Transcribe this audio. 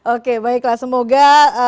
oke baiklah semoga